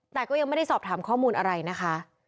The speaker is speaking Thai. แต่ก็ยังไม่ได้สอบถามข้อมูลอะไรนะคะ